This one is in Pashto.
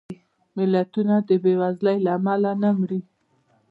ملتونه د بېوزلۍ له امله نه مري